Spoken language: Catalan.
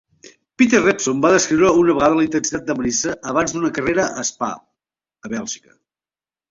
Peter Revson va descriure una vegada la intensitat de Mairesse abans d'una carrera a Spa, a Bèlgica.